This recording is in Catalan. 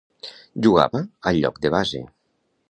Jugava al lloc de base.